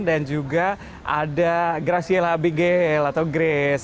juga ada graciela abigail atau grace